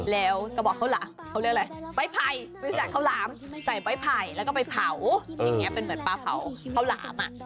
แล้วกระบอกข้าวหลามเขาเรียกอะไรใบไผ่บริษัทข้าวหลามใส่ใบไผ่แล้วก็ไปเผาอย่างนี้เป็นเหมือนปลาเผาข้าวหลาม